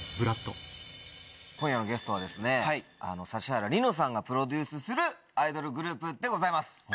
今夜のゲストは指原莉乃さんがプロデュースするアイドルグループでございます！